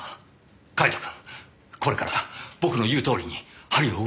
カイトくんこれから僕の言うとおりに針を動かしてください。